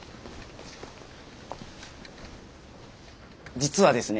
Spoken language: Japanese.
実はですね